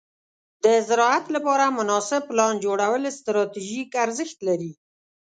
د زراعت لپاره مناسب پلان جوړول ستراتیژیک ارزښت لري.